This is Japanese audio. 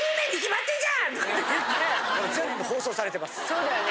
そうだよね。